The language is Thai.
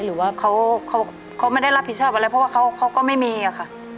หรือว่าเขาไม่ได้รับผิดชอบอะไรเพราะว่าเขาก็ไม่มีอะค่ะ